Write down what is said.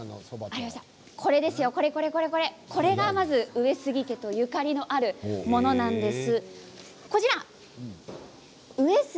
まずこれが上杉家とゆかりのあるものなんです。